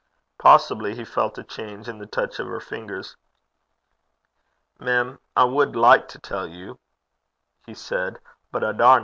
Possibly he felt a change in the touch of her fingers. 'Mem, I wad like to tell ye,' he said, 'but I daurna.'